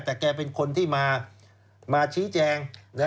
แต่แกเป็นคนที่มาชี้แจง